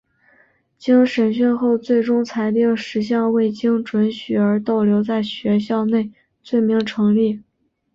经审讯后最终裁定十项未经准许而逗留在学校内罪名成立。